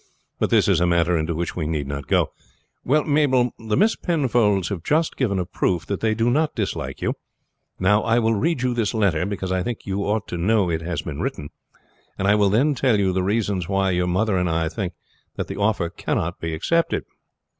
But this is a matter into which we need not go. Well, Mabel, the Miss Penfolds have just given a proof that they do not dislike you. Now I will read you this letter, because I think you ought to know it has been written, and I will then tell you the reasons why your mother and I think that the offer cannot be accepted."